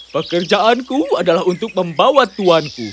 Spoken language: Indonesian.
pekerjaanku adalah untuk membawa tuanku